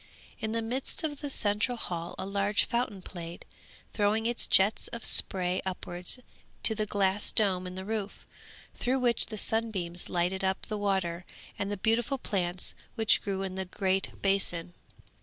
In the midst of the central hall a large fountain played, throwing its jets of spray upwards to a glass dome in the roof, through which the sunbeams lighted up the water and the beautiful plants which grew in the great basin.